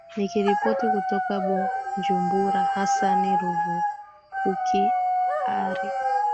nikiripoti kutoka bujumbura hasan ruvakuki ere